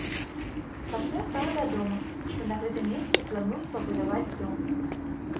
Пасля стала вядома, што на гэтым месцы плануюць пабудаваць дом.